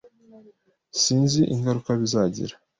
Sinzi ingaruka bizagira.